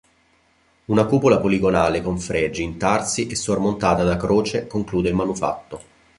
Una cupola poligonale con fregi, intarsi e sormontata da croce conclude il manufatto.